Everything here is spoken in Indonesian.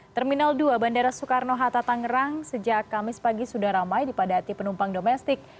terminal dua bandara soekarno hatta tangerang sejak kamis pagi sudah ramai dipadati penumpang domestik